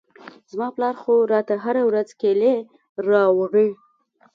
زما پلار خو راته هره ورځ کېلې راوړي.